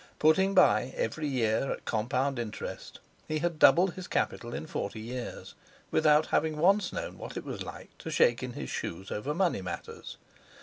Putting by every year, at compound interest, he had doubled his capital in forty years without having once known what it was like to shake in his shoes over money matters.